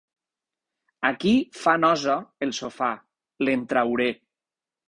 Aquí fa nosa, el sofà: l'en trauré.